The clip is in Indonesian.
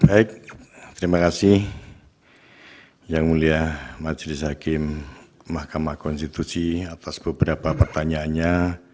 baik terima kasih yang mulia majelis hakim mahkamah konstitusi atas beberapa pertanyaannya